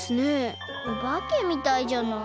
おばけみたいじゃない？